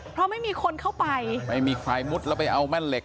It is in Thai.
เพราะไม่มีคนเข้าไปไม่มีใครมุดแล้วไปเอาแม่นเหล็